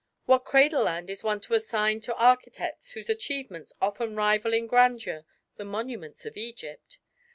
What cradle land is one to assign to architects whose achievements often rival in grandeur the monuments of Egypt?